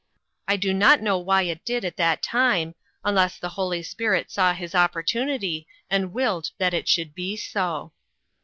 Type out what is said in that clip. I do not know why it did at that time, unless the Holy Spirit saw his opportunity and willed that it should be so.